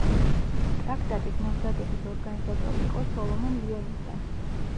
ტრაქტატის მომზადების ორგანიზატორი იყო სოლომონ ლიონიძე.